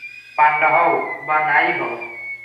পান্ডা হও বা না-ই হও।